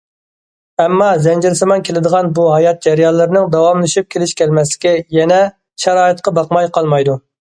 ئەمما زەنجىرسىمان كېلىدىغان بۇ ھايات جەريانلىرىنىڭ داۋاملىشىپ كېلىش- كەلمەسلىكى يەنە شارائىتقا باقماي قالمايدۇ.